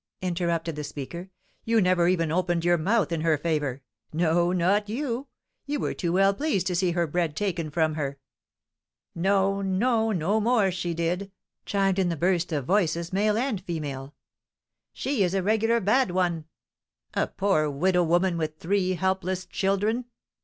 interrupted the speaker. "You never even opened your mouth in her favour. No, not you? You were too well pleased to see her bread taken from her." "No, no! no more she did," chimed in a burst of voices, male and female. "She is a regular bad one!" "A poor widow woman, with three helpless children!"